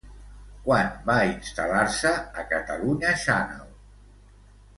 Quan va instal·lar-se a Catalunya Chanel?